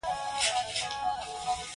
احمد لکه اوښمرغی سر په شګو منډي.